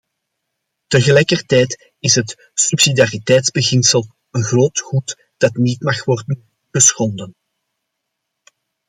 Tegelijkertijd is het subsidiariteitsbeginsel een groot goed dat niet mag worden geschonden.